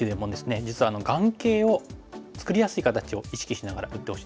実は眼形を作りやすい形を意識しながら打ってほしいんですね。